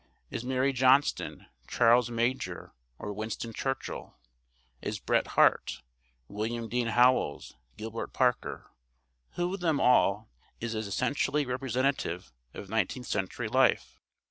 Is Mary Johnston, Charles Major, or Winston Churchill? Is Bret Harte? William Dean Howells? Gilbert Parker? Who of them all is as essentially representative of nineteenth century life?